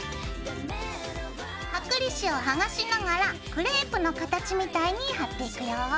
剥離紙をはがしながらクレープの形みたいに貼っていくよ。